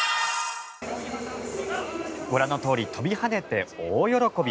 ご覧のとおり跳びはねて大喜び。